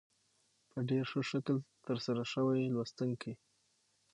په ډېر ښه شکل تر سره شوې لوستونکي